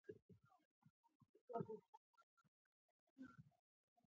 دا یو ګل دی.